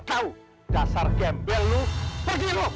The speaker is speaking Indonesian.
kau dasar gembel lu pergi lu